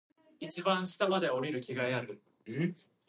The Inuit named him "Saumik," which means "the left-handed one".